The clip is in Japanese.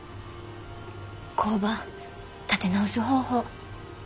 工場立て直す方法。